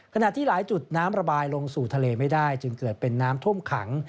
ขณะที่หลายจุดน้ำระบายลงสู่ทะเลไม่ได้จึงเกิดเป็นน้ำท่วมขัง